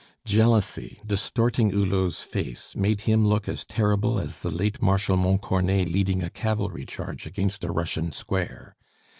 Jealousy, distorting Hulot's face, made him look as terrible as the late Marshal Montcornet leading a cavalry charge against a Russian square.